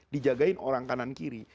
dijagain orang kanan kiri